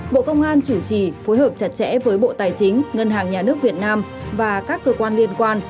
bộ công an chủ trì phối hợp chặt chẽ với bộ tài chính ngân hàng nhà nước việt nam và các cơ quan liên quan